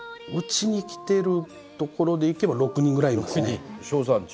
うちに来てるところでいけば６人ぐらいいますね。